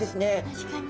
確かに。